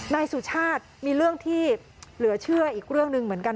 นายสุชาติมีเรื่องที่เหลือเชื่ออีกเรื่องหนึ่งเหมือนกัน